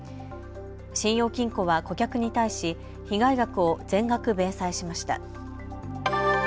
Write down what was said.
信用金庫は顧客に対し被害額を全額弁済しました。